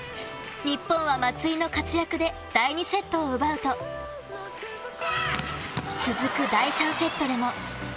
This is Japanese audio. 日本は松井の活躍で第２セットを奪うと続く、第３セットでも。